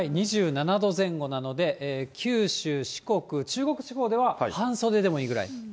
２７度前後なので、九州、四国、中国地方では半袖でもいいぐらい。